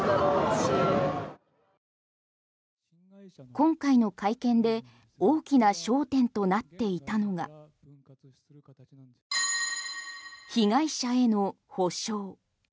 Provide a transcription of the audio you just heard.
今回の会見で大きな焦点となっていたのが被害者への補償。